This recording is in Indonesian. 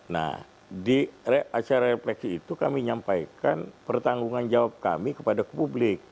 nah di acara refleksi itu kami menyampaikan pertanggung jawab kami kepada publik